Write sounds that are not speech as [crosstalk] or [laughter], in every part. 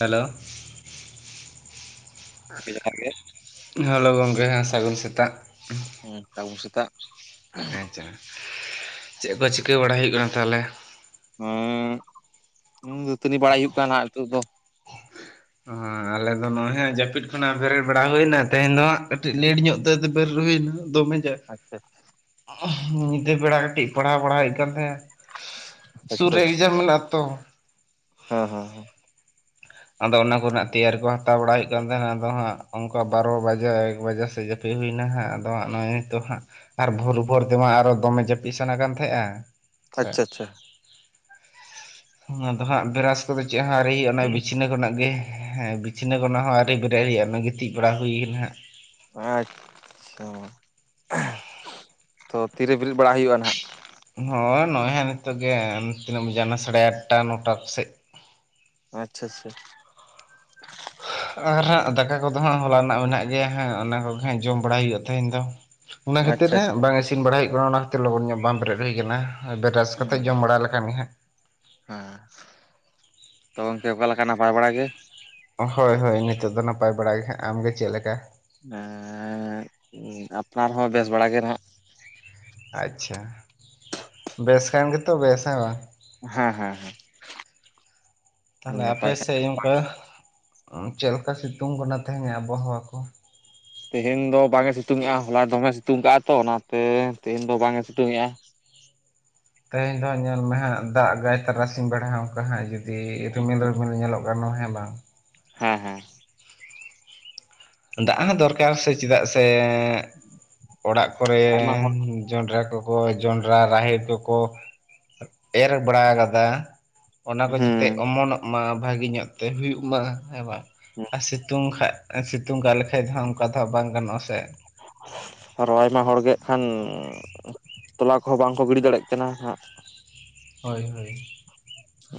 Hello ᱡᱚᱦᱟᱨ ᱜᱮ ᱦᱚᱞᱳ ᱜᱚᱝᱠᱮ ᱦᱮᱸ ᱥᱟᱹᱜᱩᱱ ᱥᱮᱛᱟᱜ᱾ ᱦᱩᱸ ᱥᱟᱜᱩᱱ ᱥᱮᱛᱟᱜ ᱮᱸᱪᱷᱟ ᱪᱮᱫ ᱠᱚ ᱪᱤᱠᱟᱹ ᱵᱟᱲᱟᱭ ᱦᱩᱭᱩᱜ ᱠᱟᱱᱟ ᱛᱟᱦᱞᱮ᱾ ᱦᱮᱸ ᱫᱟᱹᱛᱟᱹᱱᱤ ᱵᱟᱲᱟᱭ ᱦᱩᱭᱩᱜ ᱠᱟᱱᱟ ᱦᱟᱜ ᱱᱤᱛᱚᱜ ᱫᱚ᱾ ᱚ ᱟᱞᱮ ᱫᱚ ᱱᱚᱜᱼᱚᱭ ᱦᱮᱸ ᱡᱟᱹᱯᱤᱫ ᱠᱷᱚᱱᱟᱜ ᱵᱮᱨᱮᱫ ᱵᱟᱲᱟ ᱦᱩᱭᱱᱟ ᱛᱮᱦᱮᱧ ᱫᱚ ᱦᱟᱸᱜ ᱠᱟᱹᱴᱤᱡ ᱞᱮᱴ ᱧᱚᱜ ᱛᱮ ᱵᱮᱨᱮᱫ ᱦᱩᱭ ᱱᱟ᱾ ᱫᱚᱢᱮ ᱡᱟᱜ ᱟᱪᱪᱷᱟ ᱟᱪᱪᱷᱟ ᱧᱤᱫᱟᱹ ᱵᱮᱲᱟ ᱠᱟᱹᱴᱤᱡ ᱯᱟᱲ ᱦᱟᱣ ᱵᱟᱲᱟ ᱦᱳᱭᱚᱜ ᱠᱟᱱ ᱛᱟᱦᱮᱸ᱾ ᱥᱩᱨ ᱟᱪᱪᱷᱟ ᱨᱮ ᱟᱪᱪᱷᱟ ᱮᱠᱡᱟᱢ ᱢᱮᱱᱟᱜ ᱛᱚ᱾ ᱦᱮᱸ ᱦᱮᱸ ᱦᱮᱸ ᱟᱫᱚ ᱚᱱᱟ ᱠᱚ ᱨᱮᱱᱟᱜ ᱛᱮᱭᱟᱨ ᱠᱚ ᱦᱟᱛᱟᱣ ᱵᱟᱲᱟ ᱦᱳᱭᱳᱜ ᱠᱟᱱ ᱛᱟᱦᱮ ᱱᱟ ᱟᱫᱚ ᱦᱟᱸᱜ ᱚᱱᱠᱟ ᱵᱟᱨᱚ ᱵᱟᱡᱮ ᱮᱠ ᱵᱟᱡᱮ ᱥᱮᱫ ᱡᱟᱯᱤᱫ ᱦᱩᱭ ᱮᱱᱟ ᱦᱟᱸᱜ ᱟᱫᱚ ᱦᱟᱜ ᱱᱚᱜᱼᱚᱭ ᱱᱤᱛᱚᱜ ᱦᱟᱸᱜ ᱟᱨ ᱵᱷᱳᱨ ᱵᱷᱳᱨ ᱛᱮ ᱢᱟ ᱟᱨᱚ ᱫᱚ ᱢᱮ ᱡᱟᱹᱯᱤᱫ ᱥᱟᱱᱟ ᱠᱟᱱ ᱛᱟᱦᱮᱸᱡᱼᱟ ᱟᱪᱪᱷᱟ ᱚᱱᱟ ᱫᱚ ᱦᱟᱸᱜ ᱵᱨᱟᱥ ᱠᱚ ᱫᱚ ᱪᱮᱫ ᱦᱚᱸ ᱟᱣᱨᱤ ᱦᱳᱭᱳᱜᱼᱟ ᱱᱚᱜ-ᱚᱭ [unintelligible] ᱵᱤᱪᱱᱟᱹ ᱠᱷᱚᱱᱟᱜ ᱜᱮ ᱦᱮᱸ ᱵᱤᱪᱷᱱᱟᱹ ᱠᱷᱚᱱᱟᱜ ᱦᱚᱸ ᱟᱣᱨᱤ ᱵᱮᱨᱮᱫ ᱦᱳᱭᱳᱜ-ᱟ ᱚᱱᱟ ᱜᱤᱛᱤᱡ ᱵᱟᱲᱟ ᱦᱩᱭ ᱠᱟᱱᱟ ᱦᱟᱜ ᱟᱪᱪᱷᱟ ᱛᱚ ᱛᱤᱨᱮ ᱵᱤᱨᱤᱫ ᱵᱟᱲᱟ ᱦᱩᱭᱩᱜᱼᱟ ᱱᱟᱦᱟᱜ? ᱱᱚᱳᱭ ᱱᱚᱜᱼᱚᱭ ᱦᱟᱜ ᱱᱤᱛᱚᱜ ᱜᱮ ᱛᱤᱱᱟᱹᱜ ᱵᱟᱡᱟᱣ ᱱᱟ ᱥᱟᱲᱮ ᱟᱴᱴᱟ ᱱᱚᱴᱟ ᱥᱮᱫ ᱟᱪᱪᱷᱟ ᱟᱪᱪᱷᱟ ᱟᱨ ᱦᱟᱸᱜ ᱫᱟᱠᱟ ᱠᱚ ᱫᱚ ᱦᱟᱸᱜ ᱦᱚᱞᱟ ᱨᱮᱱᱟᱜ ᱢᱮᱱᱟᱜ ᱜᱮᱭᱟ ᱦᱟᱸᱜ ᱚᱱᱟ ᱠᱚ ᱜᱮ ᱦᱟᱸᱜ ᱡᱚᱢ ᱵᱟᱲᱟᱭ ᱦᱩᱭᱩᱜ ᱛᱟᱦᱮᱱ ᱫᱚ᱾ ᱚᱱᱟ ᱠᱷᱟᱹᱛᱤᱨ ᱟᱪᱪᱷᱟ ᱨᱮ ᱟᱪᱪᱷᱟ ᱵᱟᱝ ᱤᱥᱤᱱ ᱵᱟᱲᱟ ᱦᱳᱭᱳᱜ ᱠᱟᱱᱟ ᱚᱱᱟ ᱠᱷᱟᱹᱛᱤᱨ ᱞᱚᱜᱚᱱ ᱧᱚᱜ ᱵᱟᱝ ᱵᱮᱨᱮᱫ ᱦᱩᱭ ᱟᱠᱟᱱᱟ ᱵᱨᱟᱥ ᱦᱩᱸ ᱠᱟᱛᱮ ᱡᱚᱢ ᱵᱟᱲᱟ ᱞᱮ ᱠᱷᱟᱱ ᱜᱮ ᱦᱮᱸ ᱛᱚ ᱜᱚᱝᱠᱮ ᱚᱠᱟ ᱞᱮᱠᱟ ᱱᱟᱯᱟᱭ ᱵᱟᱲᱟ ᱜᱮ? ᱦᱳᱭ ᱦᱳᱭ ᱱᱤᱛᱚᱜ ᱫᱚ ᱱᱟᱯᱟᱭ ᱵᱟᱲᱟᱭ ᱜᱮ, ᱟᱢ ᱜᱮ ᱪᱮᱫ ᱞᱮᱠᱟ᱾ ᱟᱯᱱᱟᱨ ᱦᱚᱸ ᱵᱮᱥ ᱵᱟᱲᱟᱜ ᱜᱮ ᱱᱟᱜ ᱟᱪᱪᱷᱟ, ᱵᱮᱥ ᱠᱟᱱ ᱜᱮᱛᱚ ᱵᱮᱥ ᱦᱮ ᱵᱟᱝ᱾ ᱦᱮᱸ ᱦᱮᱸ ᱦᱮᱸ ᱛᱟᱦᱞᱮ ᱟᱯᱮ ᱱᱟᱯᱟᱭ ᱠᱷᱟᱱ ᱥᱮᱫ ᱚᱱᱠᱟ ᱪᱮᱫ ᱞᱮᱠᱟ ᱥᱤᱛᱩᱝ ᱠᱟᱱᱟ ᱛᱟᱦᱮᱧ ᱟᱵᱚ ᱦᱟᱥᱟ ᱠᱚ ᱛᱮᱦᱮᱧ ᱫᱚ ᱵᱟᱝ ᱮ ᱥᱤᱛᱩᱝ ᱮᱜᱼᱟ ᱦᱚᱞᱟ ᱫᱚᱢᱮ ᱥᱤᱛᱩᱝ ᱠᱟᱜᱼᱟ ᱛᱚ ᱚᱱᱟ ᱛᱮ ᱛᱮᱦᱮᱧ ᱫᱚ ᱵᱟᱝᱮ ᱥᱤᱛᱩᱝ ᱮᱼᱟ᱾ ᱛᱮᱦᱮᱧ ᱫᱚ ᱦᱟᱸᱜ ᱧᱮᱞ ᱢᱮ ᱦᱟᱸᱜ ᱫᱟᱜ ᱜᱟᱭ ᱛᱟᱨᱟ ᱥᱤᱧ ᱵᱮᱲᱟ ᱦᱟᱸᱜ ᱚᱱᱠᱟ ᱦᱟᱸᱜ ᱡᱩᱫᱤ ᱨᱤᱢᱤᱞ ᱨᱤᱢᱤᱞ ᱧᱮᱞ ᱚᱜ ᱱᱚᱦᱮ ᱵᱟᱝ? ᱦᱮᱸ ᱦᱮᱸ ᱫᱟᱜ ᱦᱚᱸ ᱫᱚᱨᱠᱟᱨ ᱥᱮ ᱪᱮᱫᱟᱜ ᱥᱮ ᱚᱲᱟᱜ ᱠᱚᱨᱮ ᱟᱭᱢᱟ ᱦᱚᱲ ᱡᱚᱸᱰᱨᱟ ᱠᱚ [unintelligible] ᱡᱚᱱᱰᱨᱟ ᱨᱟᱦᱮᱲ ᱠᱚᱠᱚ ᱮᱨ ᱵᱟᱲᱟ ᱟᱠᱟᱫᱟ᱾ ᱚᱱᱟ ᱠᱚ ᱡᱟᱛᱮ ᱦᱩᱸ ᱚᱢᱚᱱᱚᱜ ᱢᱟ ᱵᱷᱟᱹᱜᱤ ᱧᱚᱜ ᱛᱮ ᱦᱩᱭᱩᱜ ᱢᱟ, ᱦᱮᱸ ᱵᱟᱝ? ᱟᱨ ᱥᱤᱛᱩᱝ ᱠᱷᱟᱡ ᱥᱤᱛᱩᱝ ᱜᱟᱠ ᱞᱮᱠᱷᱟᱡ ᱫᱚ ᱚᱱᱠᱟ ᱫᱚ ᱦᱟᱸᱜ ᱵᱟᱝ ᱜᱟᱱᱚᱜᱼᱟ ᱥᱮ? ᱟᱨᱚ ᱟᱭᱢᱟ ᱦᱚᱲ ᱜᱮ ᱦᱟᱸᱜ ᱠᱷᱟᱱ ᱛᱚᱞᱟ ᱠᱚᱦᱚᱸ ᱵᱟᱝᱠᱚ ᱜᱤᱰᱤ ᱫᱟᱲᱭᱟᱜ ᱠᱟᱱᱟ ᱦᱟᱸᱜ᱾ [unintelligible]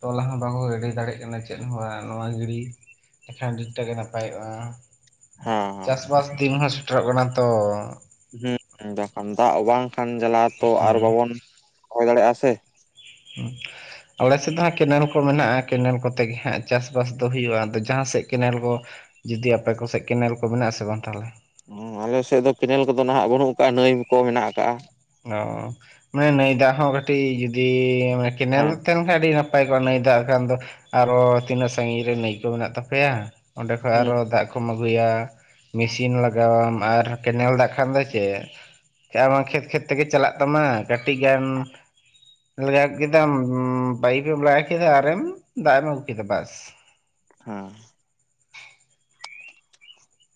ᱛᱚᱞᱟ ᱦᱚᱸ ᱵᱟᱠᱚ ᱮᱰᱤ ᱫᱟᱲᱮᱭᱟᱜ ᱠᱟᱱᱟ ᱪᱮᱫ ᱦᱚᱸ ᱱᱚᱣᱟ ᱜᱤᱲᱤᱼᱼ ᱮᱠᱷᱟᱱ ᱟᱹᱰᱤᱴᱟᱜ ᱜᱮ ᱱᱟᱯᱟᱭᱚᱜᱼᱟ ᱦᱮᱸ ᱪᱟᱥᱵᱟᱥ ᱫᱤᱱ ᱦᱚᱸ ᱥᱮᱴᱮᱨᱚᱜ ᱠᱟᱱᱟ ᱛᱚ᱾ ᱦᱮ ᱵᱟᱠᱷᱟᱱ ᱫᱟᱜ ᱵᱟᱝᱠᱷᱟᱱ ᱡᱟᱞᱟ ᱛᱚ ᱟᱨ ᱦᱩᱸ ᱵᱟᱵᱚᱱ ᱨᱚᱦᱚᱭ ᱫᱟᱲᱮᱭᱟᱜᱼᱟ ᱥᱮᱼᱼ [unintelligible] ᱟᱞᱮ ᱥᱮᱫ ᱫᱚ ᱦᱟᱸᱜ ᱠᱮᱱᱮᱞ ᱠᱚ ᱢᱮᱱᱟᱜᱼᱟ ᱠᱮᱱᱮᱞ ᱠᱚᱛᱮ ᱜᱮ ᱦᱟᱸᱜ ᱪᱟᱥᱼᱵᱟᱥ ᱫᱚ ᱦᱩᱭᱩᱜᱼᱟ ᱟᱫᱚ ᱡᱟᱦᱟᱸ ᱥᱮᱫ ᱠᱮᱱᱮᱞ ᱠᱚᱼᱼ ᱡᱩᱫᱤ ᱟᱯᱮ ᱠᱚᱥᱮᱡ, ᱠᱮᱱᱮᱞ ᱠᱚ ᱢᱮᱱᱟᱜ ᱟᱥᱮ ᱵᱟᱝ ᱛᱟᱦᱚᱞᱮ? [unintelligible] ᱟᱞᱮ ᱥᱮᱫ ᱫᱚ ᱠᱮᱱᱮᱞ ᱠᱚᱫᱚ ᱱᱟᱦᱟᱜ ᱵᱟᱹᱱᱩᱜ ᱟᱠᱟᱜᱼᱟ ᱱᱟᱹᱭ ᱠᱚ ᱢᱮᱱᱟᱜ ᱟᱠᱟᱜᱼᱟ᱾ ᱚᱻ, ᱢᱟᱱᱮ ᱱᱟᱹᱭ ᱫᱟᱜ ᱦᱚᱸ ᱠᱟᱹᱴᱤᱡ ᱡᱩᱫᱤ ᱠᱮᱱᱮᱞ ᱦᱮᱸ ᱛᱮᱼᱼ ᱟᱹᱰᱤ ᱱᱟᱯᱟᱭ ᱠᱚᱜᱼᱟ ᱱᱟᱹᱭ ᱫᱟᱜ ᱠᱷᱟᱱ ᱫᱚ ᱟᱨᱚ ᱛᱤᱱᱟᱹᱜ ᱥᱟᱺᱜᱤᱧ ᱨᱮ ᱱᱟᱹᱭ ᱠᱚ ᱢᱮᱱᱟᱜ ᱛᱟᱯᱮᱭᱟ? ᱚᱸᱰᱮ ᱠᱷᱚᱡ ᱦᱩᱸ ᱟᱨᱚ ᱫᱟᱜ ᱠᱚᱼᱼ ᱠᱚᱢ ᱟᱹᱜᱩᱭᱟ ᱢᱮᱥᱤᱱ ᱞᱟᱜᱟᱣᱟᱢ ᱟᱨ ᱠᱮᱱᱮᱞ ᱫᱟᱜ ᱠᱷᱟᱱ ᱫᱚ ᱪᱮᱫᱼᱼ ᱠᱷᱮᱛ ᱠᱷᱮᱛ ᱛᱮᱜᱮ ᱪᱟᱞᱟᱜ ᱛᱟᱢᱟ ᱠᱟᱹᱴᱤᱡ ᱜᱟᱱᱼᱼ ᱞᱟᱜᱟ ᱠᱮᱫᱟᱢ ᱯᱟᱭᱤᱯ ᱮᱢ ᱞᱟᱜᱟ ᱠᱮᱫᱟ ᱟᱨᱮᱢ ᱫᱟᱜ ᱮᱢ ᱟᱹᱜᱩ ᱠᱮᱫᱟ ᱵᱟᱥ᱾ ᱦᱩᱸ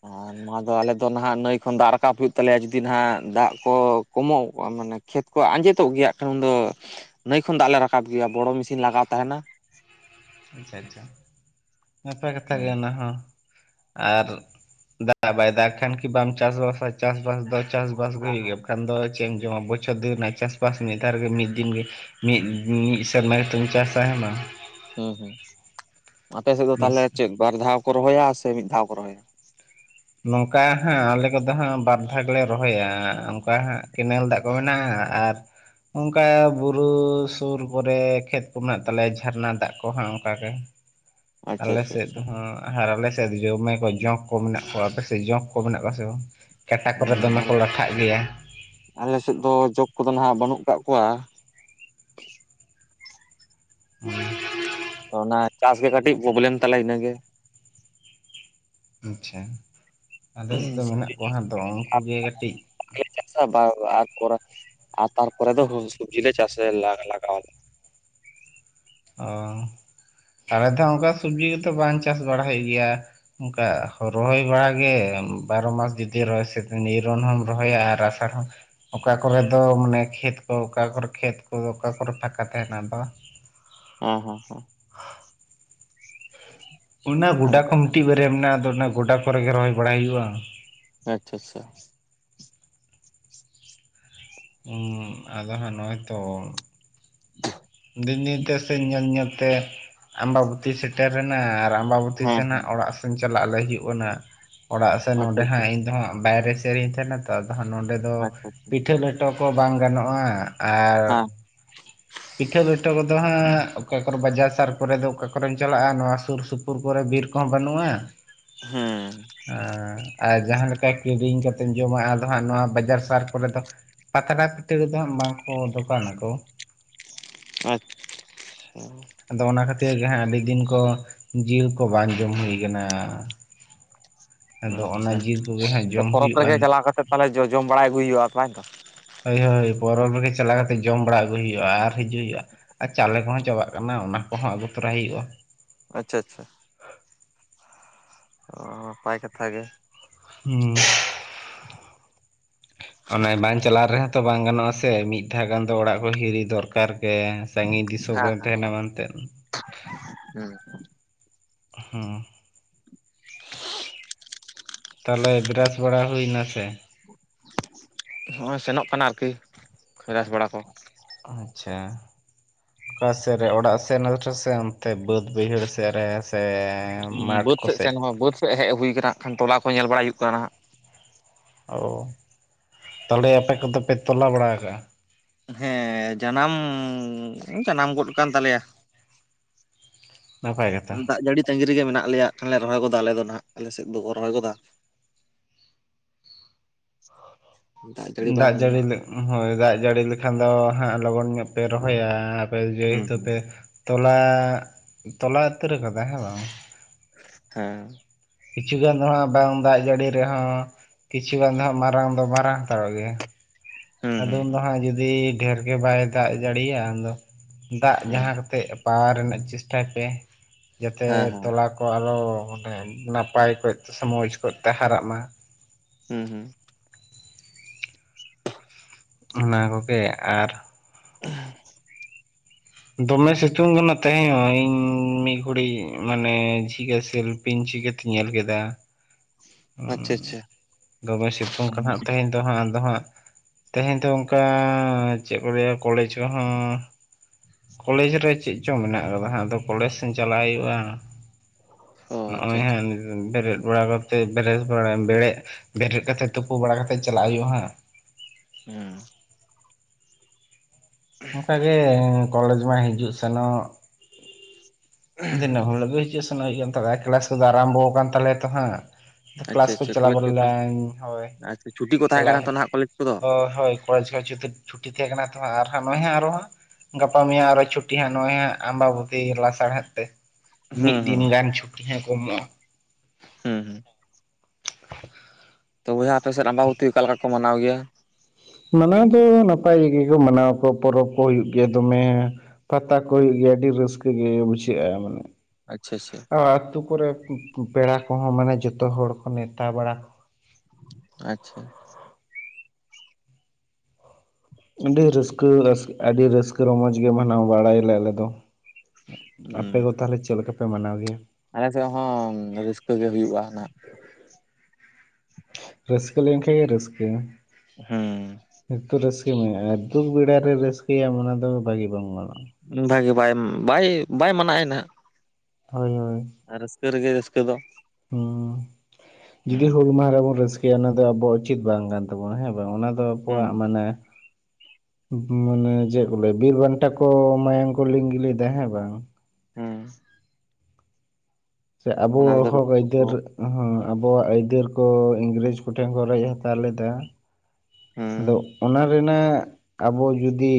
[unintelligible] ᱟᱫᱚ ᱟᱞᱮ ᱫᱚ ᱱᱟᱦᱟᱜ ᱱᱟᱹᱭ ᱠᱷᱚᱱ ᱫᱟᱜ ᱨᱟᱠᱟᱵ ᱦᱩᱭᱩᱜ ᱛᱟᱞᱮᱭᱟ ᱡᱩᱫᱤ ᱱᱟᱦᱟᱜ ᱫᱟᱜ ᱠᱚ ᱠᱚᱢᱚᱜᱼᱟ ᱢᱟᱱᱮᱼᱼ ᱠᱷᱮᱛ ᱠᱚ ᱟᱸᱡᱮᱛᱚᱜ ᱜᱮᱭᱟ ᱠᱷᱟᱱ ᱩᱱ ᱫᱚ ᱱᱟᱹᱭ ᱠᱷᱚᱱ ᱫᱟᱜ ᱞᱮ ᱨᱟᱠᱟᱵ ᱜᱮᱭᱟ, ᱵᱚᱲᱚ ᱢᱮᱥᱤᱱ ᱞᱟᱜᱟᱣ ᱛᱟᱦᱮᱱᱟ᱾ ᱟᱪᱪᱷᱟ ᱟᱪᱪᱷᱟ, ᱱᱟᱯᱟᱭ ᱠᱟᱛᱟ ᱜᱮ ᱦᱩᱸ ᱚᱱᱟ ᱦᱚᱸᱼᱼ ᱟᱨ ᱫᱟᱜ ᱵᱟᱭ ᱫᱟᱜ ᱠᱷᱟᱱ ᱠᱤ ᱵᱟᱢ ᱪᱟᱥ ᱵᱟᱥᱟ? ᱪᱟᱥᱵᱟᱥ ᱫᱚ ᱪᱟᱥᱵᱟᱥ ᱜᱮ ᱦᱩᱭᱩᱜ ᱜᱮᱭᱟ ᱵᱟᱠᱷᱟᱱ ᱫᱚᱼᱼ ᱪᱮᱫ ᱮᱢ ᱡᱚᱢᱟ, ᱵᱚᱪᱷᱚᱨ ᱫᱤᱱ ᱨᱮᱱᱟᱜ ᱪᱟᱥᱵᱟᱥ ᱢᱤᱫ ᱫᱷᱟᱣ ᱨᱮᱜᱤ ᱢᱤᱫ ᱫᱤᱱ ᱜᱮᱼᱼ ᱢᱤᱫ ᱢᱤᱫ ᱥᱮᱨᱢᱟ ᱠᱟᱛᱮ ᱪᱟᱥᱟ ᱮᱸ ᱵᱟᱝ ᱦᱮᱸ ᱦᱮᱸ ᱟᱯᱮᱥᱮᱫ ᱫᱚ ᱢᱤᱫ ᱛᱟᱦᱚᱞᱮ ᱪᱮᱫ ᱵᱟᱨ ᱫᱷᱟᱣ ᱠᱚ ᱨᱚᱦᱚᱭᱟ ᱥᱮ ᱢᱤᱫ ᱫᱷᱟᱣ ᱠᱚ ᱨᱚᱦᱚᱭᱟ? ᱱᱚᱝᱠᱟ ᱦᱟᱸᱜ ᱟᱞᱮ ᱠᱚᱫᱚ ᱦᱟᱸᱜ ᱵᱟᱨ ᱫᱷᱟᱣ ᱜᱮᱞᱮ ᱨᱚᱦᱚᱭᱟ ᱚᱱᱠᱟ ᱦᱟᱸᱜ ᱠᱮᱱᱮᱞ ᱫᱟᱜ ᱠᱚ ᱢᱮᱱᱟᱜᱼᱟ ᱟᱨᱼᱼ ᱚᱱᱠᱟ ᱵᱩᱨᱩ ᱥᱩᱨ ᱠᱚᱨᱮ ᱠᱷᱮᱛ ᱠᱚ ᱢᱮᱱᱟᱜ ᱛᱟᱞᱮᱭᱟ ᱡᱷᱟᱨᱱᱟ ᱫᱟᱜ ᱠᱚᱦᱟᱸ ᱚᱱᱠᱟᱜᱮᱼᱼ ᱟᱪᱪᱷᱟ ᱟᱞᱮ ᱟᱪᱪᱷᱟ ᱥᱮᱫ ᱟᱪᱪᱷᱟ ᱫᱚ ᱦᱚᱸ ᱟᱨ ᱟᱞᱮ ᱥᱮᱫ ᱫᱚ ᱡᱚᱢᱮ ᱠᱚ ᱡᱚᱸᱠ ᱠᱚ ᱢᱮᱱᱟᱜᱼᱼ ᱟᱯᱮᱥᱮᱫ ᱡᱚᱸᱠ ᱠᱚ ᱢᱮᱱᱟᱜ ᱠᱚᱣᱟ ᱥᱮ ᱵᱟᱝ ᱠᱟᱴᱟ ᱠᱚᱨᱮ ᱫᱚᱢᱮ ᱠᱚ ᱞᱟᱴᱷᱟᱜ ᱜᱮᱭᱟ᱾ ᱟᱞᱮᱥᱮᱫ ᱫᱚ ᱡᱚᱸᱠ ᱠᱚᱫᱚ ᱦᱟᱜ ᱵᱟᱹᱱᱩᱜ ᱟᱠᱟᱫ ᱠᱚᱣᱟ᱾ [inaudible] ᱛᱚ ᱚᱱᱟ ᱪᱟᱥ ᱜᱮ ᱠᱟᱹᱴᱤᱡ ᱯᱨᱚᱵᱽᱞᱮᱢ ᱛᱟᱞᱮ ᱤᱱᱟᱹᱜᱮ, ᱟᱪᱪᱷᱟ ᱟᱞᱮᱥᱮᱫ ᱢᱮᱱᱟᱜ ᱠᱚᱣᱟ ᱦᱟᱸ ᱫᱚ ᱩᱱᱠᱩᱜ ᱜᱮ ᱠᱟᱹᱴᱤᱡᱼᱼ ᱪᱟᱥᱟᱚᱨ [unintelligible] ᱛᱟᱨᱯᱚᱨᱮ ᱫᱚ ᱥᱚᱵᱡᱤᱞ ᱞᱮ ᱪᱟᱥ ᱞᱟᱜᱟᱣ ᱟᱞᱮ᱾ ᱚ ᱛᱟᱦᱞᱮ ᱫᱚ ᱚᱱᱠᱟ ᱥᱚᱵᱡᱤ ᱠᱚᱛᱚ ᱵᱟᱝ ᱪᱟᱥ ᱵᱟᱲᱟ ᱦᱩᱭᱩᱜ ᱜᱮᱭᱟ᱾ ᱚᱱᱠᱟ ᱨᱚᱦᱚᱭ ᱵᱟᱲᱟᱜᱮ ᱵᱟᱨᱚ ᱢᱟᱥ ᱡᱩᱫᱤ ᱨᱚᱦᱚᱭ ᱥᱮᱫᱤ ᱱᱤᱨᱚᱱ ᱦᱚᱢ ᱨᱚᱦᱚᱭᱟ ᱟᱨ ᱟᱥᱟᱲ ᱦᱚᱸᱼᱼ ᱚᱠᱟ ᱠᱚᱨᱮ ᱫᱚ ᱢᱟᱱᱮ ᱠᱷᱮᱛ ᱠᱚ ᱚᱠᱟ ᱠᱚᱨᱮ ᱠᱷᱮᱛ ᱠᱚᱫᱚ ᱚᱠᱟ ᱠᱚᱨᱮ ᱯᱷᱟᱸᱠᱟ ᱛᱟᱦᱮᱸᱱᱟᱫᱚ [inaudible] [inaudible] ᱚᱱᱟ ᱟᱞᱮ ᱜᱚᱰᱟ ᱫᱚ ᱠᱚ ᱢᱤᱫᱴᱤᱡ ᱵᱟᱨᱭᱟ ᱢᱮᱱᱟᱜᱼᱟ ᱟᱫᱚ ᱚᱱᱟ ᱜᱚᱰᱟ ᱠᱚ ᱨᱮ ᱜᱮ ᱨᱚᱦᱚᱭ ᱵᱟᱲᱟᱭ ᱦᱩᱭᱩᱜᱼᱟ᱾ ᱟᱪᱪᱷᱟ ᱟᱪᱪᱷᱟ ᱦᱩᱸ ᱟᱫᱚ ᱦᱟᱸᱜ ᱱᱚᱜᱼᱚᱭ ᱛᱚ [inaudible] ᱫᱤᱱ ᱫᱤᱱ ᱛᱮ ᱥᱮ ᱧᱮᱞ ᱧᱮᱞ ᱛᱮ ᱟᱢᱵᱟᱵᱚᱛᱤ ᱥᱮᱴᱮᱨᱮᱱᱟ ᱟᱨ ᱟᱢᱵᱟᱵᱚᱛᱤ ᱦᱮᱸ ᱦᱮᱸ ᱥᱮᱱᱟᱜ ᱚᱲᱟᱜ ᱥᱮᱱ ᱪᱟᱞᱟᱜ ᱞᱟᱹᱜᱤᱫ ᱦᱩᱭᱩᱜ ᱠᱟᱱᱟ᱾ ᱚᱲᱟᱜ ᱥᱮ ᱟᱪᱪᱷᱟ ᱱᱚᱸᱰᱮ ᱟᱪᱪᱷᱟ ᱦᱟᱸᱜ ᱤᱧ ᱫᱚ ᱦᱟᱸᱜ ᱵᱟᱭᱨᱮ ᱥᱮᱨᱮᱧ ᱛᱟᱦᱮᱱᱟ ᱛᱚ ᱟᱫᱚ ᱦᱟᱸᱜ ᱱᱚᱸᱰᱮ ᱫᱚ ᱟᱪᱪᱷᱟ ᱟᱪᱪᱷᱟ ᱯᱤᱴᱷᱟᱹ ᱯᱷᱴᱚ ᱠᱚ ᱵᱟᱝ ᱜᱟᱱᱚᱜᱼᱟ ᱟᱨ ᱦᱮᱸ ᱯᱤᱴᱷᱟᱹ ᱞᱮᱴᱚ ᱠᱚ ᱫᱚ ᱦᱟᱸᱜ ᱚᱠᱟ ᱠᱚ ᱨᱮ ᱵᱟᱡᱟᱨ ᱥᱟᱨ ᱠᱚᱨᱮ ᱫᱚ ᱚᱠᱟ ᱠᱚᱨᱮᱢ ᱪᱟᱞᱟᱜᱼᱟ᱾ ᱱᱚᱣᱟ ᱥᱩᱨ ᱥᱩᱯᱩᱨ ᱠᱚᱨᱮ ᱵᱤᱨ ᱠᱚ ᱦᱚᱸ ᱵᱟᱹᱱᱩᱜᱼᱟ᱾ ᱦᱮᱸ ᱟᱨ ᱡᱟᱦᱟᱸᱞᱮᱠᱟ ᱠᱤᱨᱤᱧ ᱠᱟᱛᱮ ᱡᱚᱢᱟ ᱟᱫᱚ ᱦᱟᱸᱜ ᱱᱚᱣᱟ ᱵᱟᱡᱟᱨ ᱥᱟᱨ ᱠᱚᱨᱮ ᱫᱚ ᱯᱟᱛᱲᱟ ᱯᱤᱴᱷᱟᱹ ᱠᱚᱫᱚ ᱦᱟᱸᱜ ᱵᱟᱝ ᱠᱚ ᱫᱚᱠᱟᱱ ᱟᱠᱚ᱾ ᱟᱪ-ᱪᱷᱟ ᱟᱫᱚ ᱚᱱᱟ ᱠᱷᱟᱹᱛᱤᱨ ᱜᱮ ᱦᱟᱸᱜ ᱟᱹᱰᱤ ᱫᱤᱱ ᱠᱚ ᱡᱤᱞ ᱠᱚ ᱵᱟᱝ ᱡᱚᱢ ᱦᱩᱭ ᱠᱟᱱᱟ᱾ ᱟᱫᱚ ᱚᱱᱟ ᱟᱪᱪᱷᱟ ᱡᱤᱞ ᱠᱚᱜᱮ ᱦᱟᱸᱜ ᱡᱚᱢ ᱯᱚᱨᱚᱵ ᱨᱮ ᱦᱩᱭᱩᱜᱼᱟ ᱜᱮ ᱪᱟᱞᱟᱣ ᱠᱟᱛᱮ ᱛᱟᱦᱚᱼᱞᱮ ᱡᱚᱡᱚᱢ ᱵᱟᱲᱟᱭ ᱟᱹᱜᱩᱭ ᱦᱩᱭᱩᱜᱼᱟ ᱛᱟᱭ ᱛᱚ ᱦᱳᱭ ᱦᱳᱭ ᱯᱚᱨᱚᱵᱽ ᱨᱮ ᱜᱮ ᱪᱟᱞᱟᱣ ᱠᱟᱛᱮ ᱡᱚᱢ ᱵᱟᱲᱟ ᱟᱹᱜᱩᱭ ᱦᱩᱭᱩᱜᱼᱟ ᱟᱨ ᱦᱤᱡᱩᱜ ᱦᱩᱭᱩᱜᱼᱟ᱾ ᱟᱨ ᱪᱟᱣᱞᱮ ᱠᱚ ᱦᱚᱸ ᱪᱟᱵᱟᱜ ᱠᱟᱱᱟ ᱚᱱᱟ ᱠᱚ ᱦᱚᱸ ᱟᱹᱜᱩᱭ ᱛᱚᱨᱟᱭ ᱦᱩᱭᱩᱜᱼᱟ᱾ ᱟᱪᱪᱷᱟ ᱟᱪᱪᱷᱟ ᱚ ᱱᱟᱯᱟᱭ ᱠᱟᱛᱷᱟ ᱜᱮ ᱦᱩ ᱚᱱᱮ ᱵᱟᱝ ᱪᱟᱟᱞᱣ ᱨᱮ ᱦᱚᱸ ᱛᱚ ᱵᱟᱝ ᱜᱟᱱᱚᱜᱼᱟ ᱥᱮ ᱢᱤᱫ ᱢᱤᱫ ᱫᱷᱟ ᱜᱟᱱ ᱫᱚ ᱚᱲᱟᱜ ᱠᱚ ᱦᱤᱨᱤ ᱫᱚᱨ ᱠᱟᱨ ᱜᱮ᱾ ᱥᱟᱜᱤᱧ ᱫᱤᱥᱚᱢ ᱦᱮᱸ ᱨᱮᱢ ᱛᱟᱦᱮᱱᱟ ᱢᱟᱱᱛᱮ ᱦᱩᱸ᱾ ᱦᱩᱸ ᱛᱟᱦᱞᱮ ᱵᱨᱟᱥ ᱵᱟᱲᱟ ᱦᱩᱭ ᱮᱱᱟ ᱥᱮ ᱵᱟᱝ? ᱦᱚᱸᱜᱼᱚᱭ ᱥᱮᱱᱚᱜ ᱠᱟᱱᱟ ᱟᱨ ᱠᱟᱹᱡ ᱵᱮᱨᱟᱥ ᱵᱟᱲᱟ ᱠᱚ ᱟᱪᱪᱷᱟ ᱚᱠᱟ ᱥᱮᱫ ᱨᱮ ᱚᱲᱟᱜ ᱥᱮᱫ ᱥᱮ ᱚᱱᱛᱮ ᱵᱟᱹᱫᱽ ᱵᱟᱹᱭ ᱦᱟᱹᱲ ᱥᱮᱫ ᱨᱮ ᱥᱮ ᱢᱟᱴᱷ ᱵᱟᱹᱫᱽ ᱥᱮᱫ ᱠᱚᱥᱮᱡ᱾ ᱥᱮᱱ [unintelligible] ᱦᱮᱡ ᱦᱩᱭ ᱟᱠᱟᱱᱟ ᱟᱠᱷᱟᱱ ᱛᱚᱞᱟ ᱠᱚ ᱧᱮᱞ ᱵᱟᱲᱟ ᱦᱩᱭᱩᱜ ᱠᱟᱱᱟ ᱦᱟᱸᱜ᱾ ᱚ ᱛᱟᱦᱚᱞᱮ ᱟᱯᱮ ᱠᱚ ᱫᱚ ᱯᱮ ᱛᱚᱞᱟ ᱵᱟᱲᱟ ᱟᱠᱟᱜᱼᱟ᱾ ᱦᱮᱸ ᱡᱟᱱᱟᱢ ᱡᱟᱱᱟᱢ ᱜᱚᱫ ᱟᱠᱟᱱ ᱛᱟᱞᱮ ᱭᱟ᱾ ᱱᱟᱯᱟᱭ ᱠᱟᱛᱷᱟ ᱫᱟᱜ ᱡᱟᱹᱲᱤ ᱛᱟᱺᱜᱤ ᱨᱮ ᱜᱮ ᱢᱮᱱᱟᱜ ᱞᱮᱭᱟ ᱠᱷᱟᱱ ᱞᱮ ᱨᱚᱦᱚᱭ ᱜᱚᱫᱟ ᱟᱞᱮ ᱫᱚ ᱱᱟᱦᱟᱜ ᱟᱞᱮ ᱥᱮᱫ ᱫᱚᱠᱚ ᱨᱚᱦᱚᱭ ᱜᱚᱫᱟ᱾ [inaudible] ᱫᱟᱜ ᱡᱟᱹᱲᱤ ᱦᱳᱭ ᱫᱟᱜ ᱡᱟᱹᱲᱤ ᱞᱮᱠᱷᱟᱱ ᱫᱚ ᱦᱟᱸᱜ ᱞᱚᱜᱚᱱ ᱧᱚᱜ ᱯᱮ ᱨᱚᱦᱚᱭᱟ᱾ ᱟᱨ ᱟᱯᱮ ᱡᱮᱦᱮ ᱦᱩᱸ ᱛᱩ ᱦᱩᱸ ᱯᱮ ᱛᱚᱞᱟ ᱛᱚᱞᱟ ᱩᱛᱟᱹᱨ ᱟᱠᱟᱫᱟ ᱦᱮᱸ ᱵᱟᱝ? ᱦᱮᱸ ᱠᱤᱪᱷᱩ ᱜᱟᱱ ᱫᱚ ᱦᱟᱸᱜ ᱵᱟᱝ ᱫᱟᱜ ᱡᱟᱹᱲᱤ ᱨᱮ ᱦᱚᱸ ᱠᱤᱪᱷᱩ ᱜᱟᱱ ᱫᱚ ᱦᱟᱸᱜ ᱢᱟᱨᱟᱝ ᱫᱚ ᱢᱟᱨᱟᱝ ᱦᱟᱛᱟᱲ ᱚᱜ ᱜᱮᱭᱟ᱾ ᱦᱩᱸ ᱟᱫᱚ ᱦᱩᱸ ᱩᱱ ᱫᱚ ᱦᱟᱸᱜ ᱡᱩᱫᱤ ᱰᱷᱮᱨ ᱜᱮ ᱵᱟᱭ ᱫᱟᱜ ᱡᱟᱲᱤᱭᱟ ᱩᱱᱫᱚ ᱫᱟᱜ ᱦᱮᱸ ᱡᱟᱸᱦᱟ ᱠᱟᱛᱮ ᱯᱟᱣᱟᱣ ᱨᱮᱱᱟᱜ ᱪᱮᱥᱴᱟᱭ ᱯᱮ ᱡᱟᱛᱮ ᱦᱮᱸ ᱦᱮᱸ ᱛᱚᱞᱟ ᱠᱚ ᱠᱚ ᱟᱨᱦᱚ ᱢᱟᱱᱮ ᱱᱟᱯᱟᱭ ᱠᱚᱡ ᱛᱮ ᱥᱮ ᱢᱚᱡᱽ ᱠᱚᱡ ᱛᱮ ᱦᱟᱨᱟᱜ ᱢᱟ ᱦᱩᱸ ᱦᱩᱸ ᱚᱱᱟ ᱠᱚᱜᱮ ᱟᱨ ᱩᱻᱦᱩᱢ ᱫᱚᱢᱮ ᱥᱤᱛᱩᱝ ᱠᱟᱱᱟ ᱛᱟᱦᱮᱸᱧ ᱦᱚ ᱤᱧ ᱢᱤᱫ ᱜᱷᱩᱤ ᱢᱟᱱᱮ ᱡᱷᱤᱡᱟ ᱥᱮᱞ ᱯᱤᱧᱪᱤ ᱠᱟᱛᱮ ᱧᱮᱞ ᱠᱮᱫᱟ᱾ ᱟᱪᱪᱷᱟ ᱦᱩᱸ ᱟᱪᱪᱷᱟ ᱫᱚᱢᱮ ᱥᱤᱛᱩᱝ ᱠᱟᱱᱟ ᱦᱟᱸᱜ ᱛᱮᱦᱤᱧ ᱫᱚ ᱦᱟᱸᱜ ᱟᱫᱚ ᱦᱟᱸᱜ ᱛᱮᱦᱮᱧ ᱫᱚ ᱚᱱᱠᱟ ᱪᱮᱫ ᱠᱚ ᱞᱟᱹᱭᱟ ᱠᱚᱞᱮᱡᱽ ᱠᱚ ᱦᱚᱸ ᱠᱚᱞᱮᱡᱽ ᱨᱮ ᱪᱮᱫ ᱪᱚᱝ ᱢᱮᱱᱟᱜ ᱠᱟᱫᱟ ᱦᱟᱜ ᱟᱫᱚ ᱠᱚᱞᱮᱡ ᱥᱮᱫ ᱪᱟᱞᱟᱜ ᱦᱩᱭᱩᱜᱼᱟ᱾ ᱚ ᱟᱪᱪᱷᱟ ᱱᱚᱜᱼᱚᱭ ᱟᱪᱪᱷᱟ ᱦᱟᱜ ᱵᱮᱨᱮᱫ ᱵᱟᱲᱟ ᱠᱟᱛᱮ᱾ ᱮ ᱵᱮᱨᱮᱥ ᱵᱮᱨᱮᱫ ᱵᱮᱨᱮᱫ ᱠᱟᱛᱮᱜ ᱛᱩᱯᱩ ᱵᱟᱲᱟ ᱠᱟᱛᱮᱫ ᱪᱟᱞᱟᱜ ᱦᱩᱭᱩᱜᱼᱟ᱾ ᱦᱟᱸᱜ ᱦᱩᱸ ᱚᱱᱠᱟ ᱜᱮ ᱠᱚᱞᱮᱡᱽ ᱢᱟ ᱦᱤᱡᱩᱜ ᱥᱮᱱᱚᱜ ᱫᱤᱱᱟᱹᱢ ᱦᱤᱞᱳᱜ ᱜᱮ ᱦᱤᱡᱩᱜ ᱥᱮᱱᱚᱜ ᱦᱩᱭᱩᱜ-ᱟ᱾ ᱛᱚ ᱵᱮ ᱠᱮᱞᱟᱥ ᱠᱚ ᱫᱚ ᱟᱨᱟᱢᱵᱚ ᱠᱟᱱ ᱛᱟᱞᱮ ᱭᱟ ᱛᱚ ᱦᱟᱸᱜ ᱟᱪᱪᱷᱟ ᱠᱮᱞᱟᱥ ᱠᱚ ᱟᱪᱪᱷᱟ ᱪᱟᱞᱟᱣ ᱠᱚᱞᱮᱡᱽ ᱵᱟᱲᱟ ᱛᱟ ᱞᱮᱱ ᱦᱳᱭ ᱟᱪᱪᱷᱟ ᱪᱷᱩᱴᱤ ᱠᱚ ᱛᱟᱦᱮᱸ ᱪᱟᱞᱟᱜ ᱠᱟᱱᱟ ᱛᱚ ᱦᱩᱭᱩᱜ ᱱᱟᱦᱟᱜ ᱠᱚᱞᱮᱡᱽ ᱠᱚᱫᱚ ᱦᱳᱭ ᱦᱳᱭ ᱠᱚᱞᱮᱡᱽ ᱠᱤᱪᱷᱩ ᱫᱤᱱ ᱪᱷᱩᱴᱤ ᱛᱟᱦᱮᱸ ᱠᱟᱱᱟ ᱛᱚ ᱟᱨ ᱱᱚᱜᱚᱭ ᱦᱟᱜ ᱟᱨ ᱦᱚᱸ ᱜᱟᱯᱟ ᱢᱮᱭ ᱟᱨᱚ ᱪᱷᱩᱴᱤ ᱦᱟᱸᱜ ᱱᱚᱜᱼᱚᱭ ᱦᱜ ᱟᱢ ᱵᱟ ᱵᱚᱛᱤ ᱞᱟᱥᱟᱲᱦᱮᱫ᱾ ᱛᱮ ᱢᱤᱫ ᱦᱩᱸ ᱦᱩᱸ ᱫᱤᱱ ᱜᱟᱱ ᱪᱷᱩᱴᱤ ᱦᱟᱜ ᱠᱚ ᱮᱢᱚᱜᱼᱟ᱾ ᱦᱩᱸ ᱦᱩᱸ ᱛᱚ ᱵᱚᱭᱦᱟ ᱟᱯᱮ ᱥᱮᱫ ᱟᱵᱟᱵᱩᱛᱤ ᱚᱠᱟ ᱞᱮᱠᱟ ᱠᱚ ᱢᱟᱱᱟᱣ ᱜᱮᱭᱟ᱾ ᱢᱟᱱᱟᱣ ᱫᱚ ᱱᱟᱯᱟᱭ ᱜᱮ ᱠᱚ ᱢᱟᱱᱟᱣ ᱟᱠᱚ ᱯᱚᱨᱚᱵᱽ ᱠᱚ ᱦᱩᱭᱩᱜ ᱜᱮᱭᱟ ᱫᱚᱢᱮ ᱯᱟᱛᱟ ᱠᱚ ᱦᱩᱭᱩᱜ ᱜᱮᱭᱟ ᱟᱹᱰᱤ ᱨᱟᱹᱥᱠᱟᱹ ᱜᱮ ᱵᱩᱡᱷᱟᱹᱜᱼᱟ᱾ ᱟᱪᱪᱷᱟ ᱟᱪᱪᱷᱟ ᱟᱹᱛᱩ ᱠᱚ ᱨᱮ ᱯᱮᱲᱟ ᱠᱚ ᱦᱚᱸ ᱢᱟᱱᱮ ᱡᱷᱚᱛᱚ ᱦᱚᱲ ᱠᱚ ᱱᱮᱣᱛᱟ ᱵᱟᱲᱟ ᱟᱪᱪᱷᱟ ᱟᱹᱰᱤ ᱨᱟᱹᱥᱠᱟᱹ ᱟᱹᱰᱤ ᱨᱟᱹᱥᱠᱟᱹ ᱨᱚᱢᱚᱡᱽ ᱜᱮ ᱢᱟᱱᱟᱣ ᱵᱟᱲᱟᱭ ᱟᱞᱮ ᱫᱚ᱾ ᱦᱩᱸ ᱟᱯᱮ ᱫᱚ ᱛᱟᱦᱞᱮ ᱪᱮᱫ ᱞᱮᱠᱟ ᱯᱮ ᱢᱟᱱᱟᱣ ᱜᱮᱭᱟ᱾ ᱟᱞᱮ ᱥᱮᱫ ᱦᱚᱸ ᱨᱟᱹᱥᱠᱟᱹ ᱜᱮ ᱦᱩᱭᱩᱜᱼᱟ ᱦᱟᱜ ᱨᱟᱹᱥᱠᱟᱹ ᱞᱮᱠᱷᱟᱡ ᱜᱮ ᱨᱟᱹᱥᱠᱟᱹ ᱦᱩᱸ ᱦᱤᱛᱳᱜ ᱨᱟᱹᱥᱠᱟᱹ ᱢᱮ ᱟᱨ ᱫᱩᱠ ᱵᱮᱲᱟ ᱨᱮ ᱨᱟᱹᱥᱠᱟᱹᱭᱟᱢ ᱚᱱᱟ ᱫᱚ ᱵᱷᱟᱹᱜᱤ ᱵᱟᱝ ᱜᱟᱱᱚᱜᱼᱟ᱾ ᱵᱷᱟᱜᱮ ᱵᱟᱭ ᱵᱟᱭ ᱵᱟᱭ ᱢᱟᱱᱟᱜ ᱟᱭ ᱦᱟᱜ ᱦᱳᱭ ᱦᱳᱭ ᱟᱨ ᱨᱟᱹᱥᱠᱟᱹ ᱨᱮ ᱜᱮ ᱨᱟᱹᱥᱠᱟᱹ ᱫᱚ᱾ ᱦᱩᱸ ᱡᱩᱫᱤ ᱦᱩᱸ ᱦᱩᱞ ᱢᱟᱦᱟ ᱨᱮ ᱵᱚᱱ ᱨᱟᱹᱥᱠᱟᱹᱭᱟ ᱚᱱᱟ ᱫᱚ ᱟᱵᱚᱣᱟᱜ ᱩᱪᱤᱛ ᱵᱟᱝ ᱠᱟᱱᱟ᱾ ᱛᱟᱵᱚᱱᱟ ᱦᱮᱸ ᱵᱟᱝ ᱚᱱᱟ ᱫᱚ ᱟᱵᱚᱣᱟᱜ ᱦᱩᱸ ᱢᱟᱱᱮ ᱢᱟᱱᱮ ᱪᱮᱫ ᱠᱚ ᱞᱟᱭᱟ ᱵᱤᱨ ᱵᱟᱱᱴᱟ ᱠᱚ ᱢᱟᱭᱟᱝ ᱠᱚ ᱞᱤᱝᱜᱤ ᱞᱮᱫᱟ ᱦᱮᱸ ᱵᱟᱝ? ᱦᱩᱸ ᱥᱮ ᱟᱵᱚ ᱚᱱᱟ ᱨᱮᱫᱚ ᱦᱚᱸᱜ ᱨᱟᱹᱥᱠᱟᱹ ᱠᱚ ᱟᱹᱭᱫᱟᱹᱨ ᱦᱚᱸ ᱟᱵᱚᱣᱟᱜ ᱟᱹᱭᱫᱟᱹᱨ ᱠᱚ ᱤᱝᱨᱮᱡᱽ ᱠᱚᱴᱷᱮᱱ ᱠᱚ ᱨᱮᱡ ᱦᱟᱛᱟᱣ ᱞᱮᱫᱟ᱾ ᱟᱫᱚ ᱦᱩᱸ ᱚᱱᱟ ᱨᱮᱱᱟᱜ ᱟᱵᱚ ᱡᱩᱫᱤ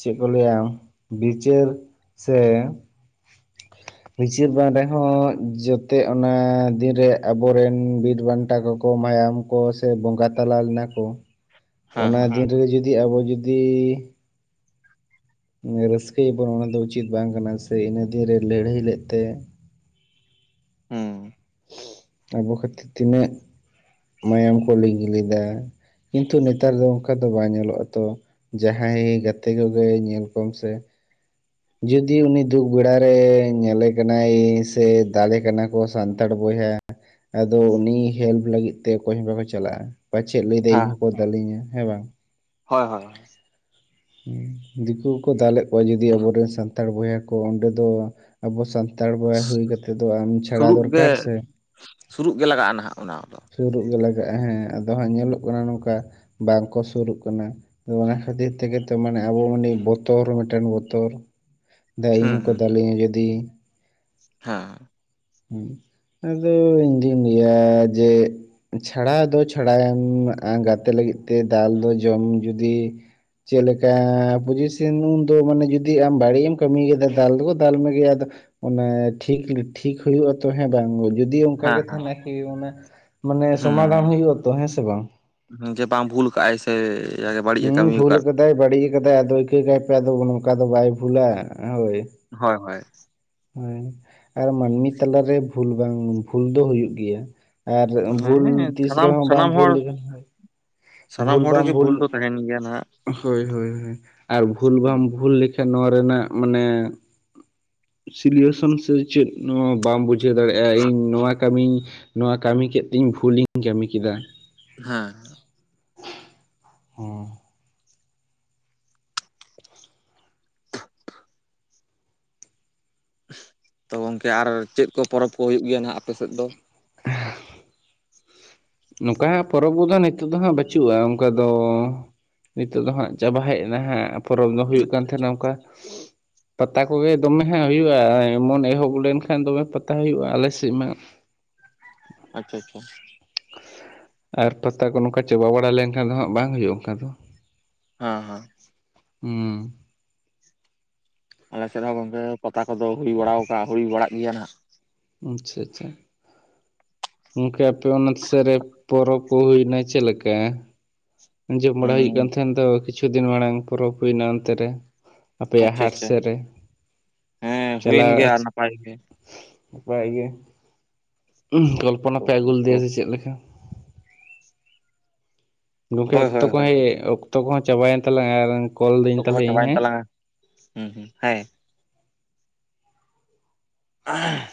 ᱪᱮᱫ ᱠᱚ ᱞᱟᱹᱭᱟ ᱵᱤᱪᱟᱹᱨ ᱥᱮ [inaudible] ᱵᱤᱪᱟᱹᱨ ᱵᱟᱝ ᱨᱮᱦᱚᱸ ᱡᱟᱛᱮ ᱚᱱᱟ ᱫᱤᱱ ᱨᱮ ᱟᱵᱚᱨᱮᱱ ᱵᱤᱨ ᱵᱟᱱᱴᱟ ᱠᱚ ᱠᱚ ᱢᱟᱭᱟᱢ ᱠᱚ ᱥᱮ ᱵᱚᱸᱜᱟ ᱛᱟᱞᱟ ᱞᱮᱱᱟ ᱠᱚ ᱦᱮᱸ ᱚᱱᱟ ᱦᱮᱸ ᱫᱤᱱ ᱨᱮ ᱡᱩᱫᱤ ᱟᱵᱚ ᱡᱩᱫᱤ ᱨᱟᱹᱥᱠᱟᱹ ᱭᱟᱵᱚᱱ ᱚᱱᱟ ᱫᱚ ᱩᱪᱤᱛ ᱵᱟᱝ ᱠᱟᱱᱟ ᱥᱮ ᱤᱱᱟᱹ ᱫᱤᱱ ᱨᱮ ᱞᱟᱹᱲ ᱦᱟᱹᱭ ᱞᱮᱫ ᱛᱮ ᱦᱚᱸ ᱟᱵᱚ ᱠᱷᱟᱹᱛᱤᱨ ᱛᱤᱱᱟᱹᱜ ᱢᱟᱭᱟᱢ ᱠᱚ ᱞᱤᱜᱤ ᱞᱮᱫᱟ᱾ ᱠᱤᱱᱛᱩ ᱱᱮᱛᱟᱨ ᱫᱚ ᱚᱱᱠᱟ ᱫᱚ ᱵᱟᱝ ᱧᱮᱞᱚᱜᱼᱟ ᱛᱚ ᱡᱟᱦᱟᱸᱭ ᱜᱟᱛᱮ ᱠᱚ ᱜᱮ ᱧᱮᱞ ᱠᱚᱢ ᱥᱮ ᱡᱩᱫᱤ ᱩᱱᱤ ᱫᱩᱠ ᱵᱮᱲᱟᱨᱮ ᱧᱮᱞᱮ ᱠᱟᱱᱟᱭ ᱥᱮ ᱫᱟᱞᱮ ᱠᱟᱱᱟ ᱠᱚ ᱥᱟᱱᱛᱟᱲ ᱵᱚᱭᱦᱟ ᱟᱫᱚ ᱩᱱᱤ ᱦᱮᱞᱯ ᱞᱟᱹᱜᱤᱫ ᱛᱮ ᱚᱠᱚᱭ ᱦᱚᱸ ᱵᱟᱠᱚ ᱪᱟᱞᱟᱜᱼᱟ ᱯᱟᱪᱮᱫ ᱞᱟᱹᱭᱫᱟ ᱤᱧ ᱦᱮᱸ ᱦᱚᱸᱠᱚ ᱫᱟᱞᱤᱧᱟ ᱦᱮᱸ ᱵᱟᱝ? ᱦᱳᱭ ᱦᱳᱭ᱾ ᱩᱸ ᱫᱤᱠᱩ ᱠᱚᱠᱚ ᱫᱟᱞᱮᱫ ᱠᱚᱣᱟ ᱡᱩᱫᱤ ᱟᱵᱚᱨᱤᱱ ᱥᱟᱱᱛᱟᱲ ᱵᱚᱭᱦᱟ ᱠᱚ ᱚᱸᱰᱮ ᱫᱚ ᱟᱵᱚ ᱥᱟᱱᱛᱟᱲ ᱵᱚᱭᱦᱟ ᱦᱩᱭ ᱠᱟᱛᱮ ᱫᱚ ᱟᱢ ᱪᱷᱟᱲᱟ ᱥᱩᱨᱩᱜ ᱜᱮ ᱫᱚᱨᱠᱟᱨ ᱥᱮ? ᱥᱩᱨᱩᱜ ᱜᱮ ᱞᱟᱜᱟᱜᱼᱟ ᱱᱟᱸᱦᱟᱜ ᱚᱱᱟ ᱠᱚ ᱫᱚ᱾ ᱥᱩᱨᱩᱜ ᱜᱮ ᱞᱟᱜᱟᱜᱼᱟ ᱦᱮᱸ, ᱟᱫᱚ ᱦᱟᱸᱜ ᱧᱮᱞᱚᱜ ᱠᱟᱱᱟ ᱱᱚᱝᱠᱟ ᱵᱟᱝᱠᱚ ᱥᱩᱨᱩᱜ ᱠᱟᱱᱟ, ᱟᱫᱚ ᱚᱱᱟ ᱠᱷᱟᱹᱛᱤᱨ ᱛᱮᱜᱮ ᱛᱚ ᱢᱟᱱᱮ ᱟᱵᱚ ᱩᱱᱤ ᱵᱚᱛᱚᱨ ᱢᱤᱫᱴᱟᱝ ᱵᱚᱛᱚᱨ ᱡᱟ ᱤᱧ ᱦᱚᱸᱠᱚ ᱫᱟᱞᱤᱧᱟ ᱡᱩᱫᱤ, ᱦᱟᱸ᱾ ᱦᱩᱸ ᱟᱫᱚ ᱤᱧᱫᱩᱧ ᱞᱟᱹᱭᱟ ᱡᱮ ᱪᱷᱟᱲᱟ ᱫᱚ ᱪᱷᱟᱲᱟᱭᱮᱢ ᱜᱟᱛᱮ ᱞᱟᱹᱜᱤᱫ ᱛᱮ ᱫᱟᱞ ᱫᱚ ᱡᱚᱢ ᱡᱩᱫᱤ ᱪᱮᱫᱞᱮᱠᱟ ᱯᱚᱪᱤᱥᱮᱱ ᱩᱱᱫᱚ ᱢᱟᱱᱮ ᱡᱩᱫᱤ ᱟᱢ ᱵᱟᱹᱲᱤᱡ ᱮᱢ ᱠᱟᱹᱢᱤ ᱠᱟᱫᱟ ᱫᱟᱞ ᱫᱚᱠᱚ ᱫᱟᱞ ᱢᱮᱜᱮᱭᱟ, ᱟᱫᱚ ᱚᱱᱟ ᱴᱷᱤᱠ ᱴᱷᱤᱠ ᱦᱩᱭᱩᱜ ᱟ ᱛᱚ ᱦᱮᱸ ᱵᱟᱝ ᱡᱩᱫᱤ ᱚᱝᱠᱟ ᱦᱮᱸ ᱜᱮ ᱦᱮᱸ ᱛᱟᱦᱮᱸᱱᱟ ᱟᱨᱠᱤ ᱚᱱᱮ ᱢᱟᱱᱮ ᱥᱚᱢᱟᱫᱷᱟᱱ ᱦᱩᱭᱩᱜ ᱟᱛᱚ ᱦᱮᱸᱥᱮ ᱵᱟᱝ? ᱦᱮᱸ ᱡᱮ ᱵᱟᱝ ᱵᱷᱩᱞ ᱠᱟᱜᱟᱭ ᱦᱩᱸ ᱵᱷᱩᱞ ᱟᱫᱟᱭ ᱵᱟᱹᱲᱤᱡ ᱠᱟᱫᱟᱭ ᱟᱫᱚ ᱤᱠᱟᱹ ᱠᱟᱭ ᱯᱮ ᱱᱚᱝᱠᱟ ᱫᱚ ᱵᱟᱭ ᱵᱷᱩᱞᱟ ᱦᱳᱭ᱾ ᱦᱳᱭ ᱦᱳᱭ᱾ ᱦᱳᱭ ᱟᱨ ᱢᱟᱹᱱᱢᱤ ᱛᱟᱞᱟᱨᱮ ᱵᱷᱩᱞ ᱵᱟᱝ ᱵᱷᱩᱞ ᱫᱚ ᱦᱩᱭᱩᱜ ᱜᱤᱭᱟ᱾ ᱟᱨ ᱵᱷᱩᱞ ᱦᱮᱸ ᱛᱤᱥ ᱥᱟᱱᱟᱢ ᱨᱮᱦᱚᱸ ᱵᱟᱢ ᱥᱟᱱᱟᱢ ᱵᱷᱩᱞ ᱦᱚᱲ ᱞᱮᱠᱷᱟᱱ ᱦᱳᱭ ᱥᱟᱱᱟᱢ ᱦᱚᱲ ᱨᱮᱜᱮ ᱵᱷᱩᱞ ᱫᱚ ᱛᱟᱦᱮᱸᱱ ᱜᱮᱭᱟ ᱱᱟᱦᱟᱸᱜ᱾ ᱦᱳᱭ ᱦᱳᱭ ᱦᱳᱭ, ᱟᱨ ᱵᱷᱩᱞ ᱵᱟᱢ ᱵᱷᱩᱞ ᱞᱮᱠᱷᱟᱱ ᱱᱚᱣᱟ ᱨᱮᱱᱟᱜ ᱢᱟᱱᱮ ᱥᱤᱞᱩᱭᱚᱥᱚᱱ ᱥᱮ ᱪᱮᱫ ᱱᱚᱣᱟ ᱵᱟᱢ ᱵᱩᱡᱷᱟᱹᱣ ᱫᱟᱲᱮᱭᱟᱜᱼᱟ ᱤᱧ ᱱᱚᱣᱟ ᱠᱟᱹᱢᱤ ᱱᱚᱣᱟ ᱠᱟᱹᱢᱤ ᱠᱮᱫ ᱛᱤᱧ ᱵᱷᱩᱞᱤᱧ ᱠᱟᱹᱢᱤ ᱠᱮᱫᱟ᱾ ᱦᱟᱸ᱾ ᱦᱚᱸ᱾ ᱛᱚ ᱜᱚᱝᱠᱮ ᱟᱨ ᱪᱮᱫ ᱠᱚ ᱯᱚᱨᱚᱵᱽ ᱠᱚ ᱦᱩᱭᱩᱜ ᱜᱮᱭᱟ ᱱᱟᱸᱜ ᱟᱯᱮ ᱥᱮᱫ ᱫᱚ? [inaudible] ᱱᱚᱝᱠᱟ ᱯᱚᱨᱚᱵᱽ ᱠᱚᱫᱚ ᱱᱤᱛᱚᱜ ᱫᱚ ᱦᱟᱸᱜ ᱵᱟᱹᱪᱩᱜᱼᱟ ᱚᱱᱠᱟ ᱫᱚᱻ ᱱᱤᱛᱳᱜ ᱫᱚ ᱦᱟᱸᱜ ᱪᱟᱵᱟ ᱦᱮᱡ ᱱᱟ ᱦᱟᱸᱜ ᱯᱚᱨᱚᱵᱽ ᱫᱚ ᱦᱩᱭᱩᱜ ᱠᱟᱱ ᱟᱪᱪᱷᱟ ᱛᱟᱦᱮᱸᱱᱟ ᱟᱪᱪᱷᱟ ᱚᱝᱠᱟ ᱯᱟᱛᱟ ᱠᱚᱜᱮ ᱫᱚᱢᱮ ᱦᱟᱸᱜ ᱦᱩᱭᱩᱜᱼᱟ ᱮᱢᱚᱱ ᱮᱦᱚᱵ ᱞᱮᱱᱠᱷᱟᱱ ᱫᱚᱢᱮ ᱯᱟᱛᱟ ᱦᱩᱭᱩᱜᱼᱟ, ᱟᱞᱮ ᱥᱮᱫ ᱢᱟ ᱟᱪᱪᱷᱟ ᱪᱷᱟ ᱪᱷᱟ᱾ ᱟᱨ ᱯᱟᱛᱟ ᱠᱚ ᱱᱚᱝᱠᱟ ᱪᱟᱵᱟ ᱵᱟᱲᱟ ᱞᱮᱱᱠᱷᱟᱱ ᱫᱚ ᱦᱟᱸᱜ ᱵᱟᱝ ᱦᱩᱭᱩᱜᱼᱟ ᱚᱝᱠᱟ ᱫᱚ᱾ ᱦᱟᱸ ᱦᱟᱸ᱾ ᱦᱩᱸ᱾ ᱟᱞᱮᱥᱮᱫ ᱦᱚᱸ ᱜᱚᱝᱠᱮ ᱯᱟᱛᱟ ᱠᱚᱫᱚ ᱦᱩᱭ ᱵᱟᱲᱟᱣ ᱠᱟ ᱦᱩᱭ ᱵᱟᱲᱟᱜ ᱜᱮᱭᱟ ᱱᱟᱸᱜ᱾ ᱟᱪᱪᱷᱟ ᱪᱷᱟ ᱪᱷᱟ᱾ ᱜᱚᱝᱠᱮ ᱟᱯᱮ ᱚᱱᱟ ᱥᱮᱫ ᱨᱮ ᱯᱚᱨᱚᱵᱽ ᱠᱚ ᱦᱩᱭᱱᱟ ᱪᱮᱫ ᱞᱮᱠᱟ? ᱟᱸᱡᱚᱢ ᱵᱟᱲᱟ ᱦᱩᱭᱩᱜ ᱦᱩᱸ ᱠᱟᱱ ᱛᱟᱦᱮᱸ ᱫᱚ ᱠᱤᱪᱷᱩ ᱫᱤᱱ ᱢᱟᱲᱟᱝ ᱯᱚᱨᱚᱵᱽ ᱦᱩᱭᱱᱟ ᱚᱱᱛᱮ ᱨᱮ? ᱟᱯᱮᱭᱟᱜ ᱟᱪᱪᱷᱟ ᱦᱟᱴ ᱟᱪᱪᱷᱟ ᱥᱮᱫ ᱨᱮ, ᱦᱮᱸ ᱦᱩᱭᱮᱱ ᱪᱟᱞᱟᱣ ᱜᱮᱭᱟ ᱱᱟᱯᱟᱭ ᱜᱮ ᱚᱯᱮᱭᱟᱜ ᱤᱭᱟᱹ ᱩᱸ ᱠᱚᱞᱯᱚᱱᱟ ᱯᱮ ᱟᱹᱜᱩ ᱞᱮᱫᱮᱭᱟ ᱥᱮ ᱪᱮᱫ ᱞᱮᱠᱟ? ᱜᱚᱝᱠᱮ ᱦᱳᱭ ᱚᱠᱛᱚ ᱦᱳᱭ ᱠᱚ ᱦᱳᱭ ᱤᱭᱟᱹ ᱚᱠᱛᱚ ᱠᱚᱦᱚᱸ ᱪᱟᱵᱟᱭᱮᱱ ᱛᱟᱞᱟᱝᱼᱟ ᱟᱨ ᱠᱚᱞᱫᱟᱹᱧ ᱚᱠᱛᱚ ᱠᱚᱦᱚᱸ ᱛᱟᱞᱦᱮ ᱤᱧ ᱪᱟᱵᱟᱭᱮᱱ ᱦᱮᱸ? ᱛᱟᱞᱟᱝᱟ ᱦᱩᱸ ᱦᱩᱸ ᱦᱮ᱾ ᱟᱦ᱾